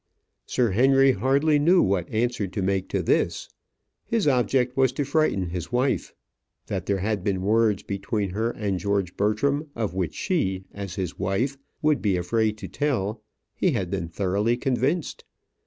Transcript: Sir Henry hardly knew what answer to make to this. His object was to frighten his wife. That there had been words between her and George Bertram of which she, as his wife, would be afraid to tell, he had been thoroughly convinced.